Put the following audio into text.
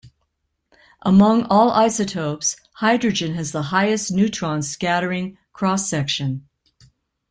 Among all isotopes, hydrogen has the highest neutron scattering cross section.